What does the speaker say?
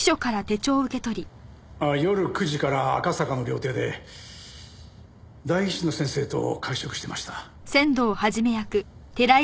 ああ夜９時から赤坂の料亭で代議士の先生と会食してました。